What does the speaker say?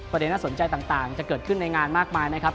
น่าสนใจต่างจะเกิดขึ้นในงานมากมายนะครับ